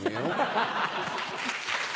ハハハ。